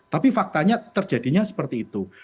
tapi faktanya terjadinya seperti itu